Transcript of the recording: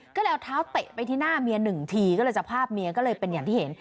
ก็เลยเอาเท้าเตะไปที่หน้าเมียหนึ่งทีก็เลยสภาพเมียก็เลยเป็นอย่างที่เห็น